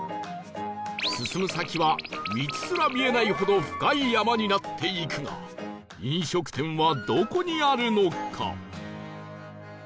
進む先は道すら見えないほど深い山になっていくが飲食店はどこにあるのか？